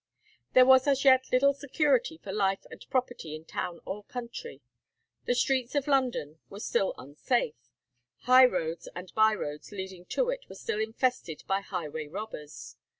There was as yet little security for life and property in town or country. The streets of London were still unsafe; high roads and bye roads leading to it were still infested by highway robbers.